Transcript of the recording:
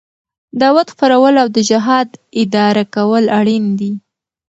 دعوت خپرول او د جهاد اداره کول اړين دي.